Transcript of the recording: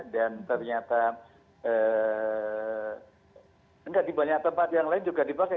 dan ternyata tidak di banyak tempat yang lain juga dipakai